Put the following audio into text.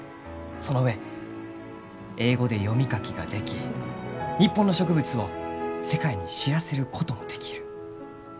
その上英語で読み書きができ日本の植物を世界に知らせることもできる。